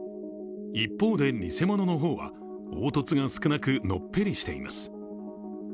一方で、偽物の方は凹凸が少なくのっぺりしています。